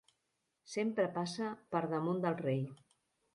Sempre passa per damunt del rei.